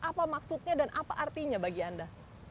apa maksudnya dan apa artinya bagi anda